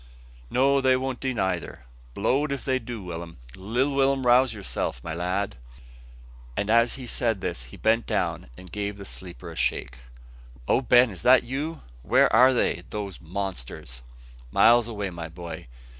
"No, they won't do neyther, blow'd if they do. Will'm, little Will'm! rouse yourself, my lad." And as he said this he bent down and gave the sleeper a shake. "O Ben! is it you? Where are they, those monsters?" "Miles away, my boy.